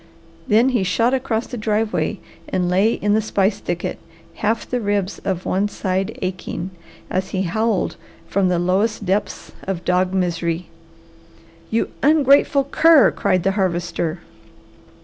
Then he shot across the driveway and lay in the spice thicket, half the ribs of one side aching, as he howled from the lowest depths of dog misery. "You ungrateful cur!" cried the Harvester.